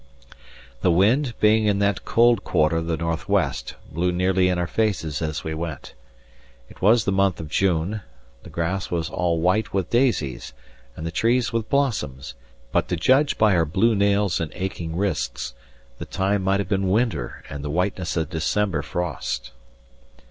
The wind, being in that cold quarter the north west, blew nearly in our faces as we went. It was the month of June; the grass was all white with daisies, and the trees with blossom; but, to judge by our blue nails and aching wrists, the time might have been winter and the whiteness a December frost.